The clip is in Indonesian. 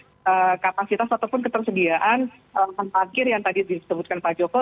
sehingga itu bisa mengatur kapasitas ataupun ketersediaan parkir yang tadi disebutkan pak joko